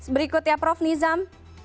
berikut ya prof nizam